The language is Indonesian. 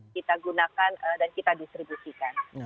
kita gunakan dan kita distribusikan